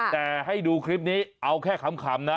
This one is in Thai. แต่ให้ดูคลิปนี้เอาแค่ขำนะ